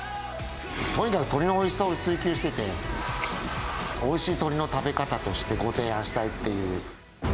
とにかく鶏のおいしさを追求してて、おいしい鶏の食べ方としてご提案したいっていう。